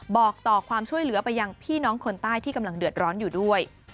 บอกต่อความช่วยเหลือไปยังพี่น้องคนใต้ที่กำลังเดือดร้อนอยู่ด้วย